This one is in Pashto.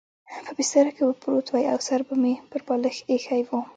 په بستره کې به پروت وای او سر به مې پر بالښت اېښی و.